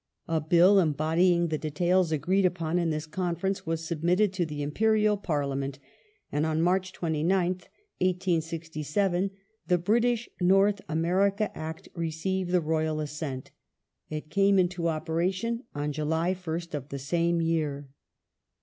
A Bill embodying the details agreed upon in this Conference was submitted to the Imperial Parliament, and on March 29th, 1867, the British North America Act received the Royal assent. It came into operation on July 1st of the same year.